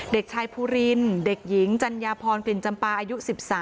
เด็กชายภูรินเด็กหญิงจัญญาพรกลิ่นจำปาอายุ๑๓